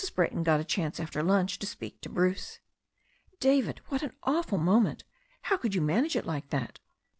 Brayton got a chance after lunch to speak to Bruce, "David, what an awful moment ! How could you manage it like that?"